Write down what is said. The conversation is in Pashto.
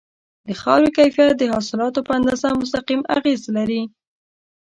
د خاورې کیفیت د حاصلاتو په اندازه مستقیم اغیز لري.